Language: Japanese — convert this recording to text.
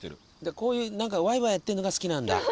こういう何かワイワイやってんのが好きなんだ。